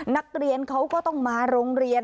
นักเรียนเขาก็ต้องมาโรงเรียน